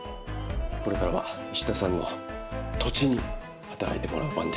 これからは石田さんの土地に働いてもらう番です。